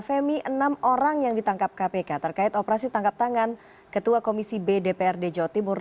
femi enam orang yang ditangkap kpk terkait operasi tangkap tangan ketua komisi b dprd jawa timur